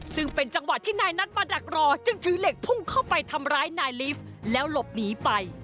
ซึ่งเป็นจังหวะที่นายนัทมาดักรอจึงถือเหล็กพุ่งเข้าไปทำร้ายนายลิฟต์แล้วหลบหนีไป